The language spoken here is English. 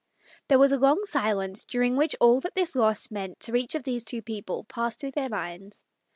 There was a long silence, during which all that this loss meant to each of these two MARY'S LOVER. < 75/ passed through their minds.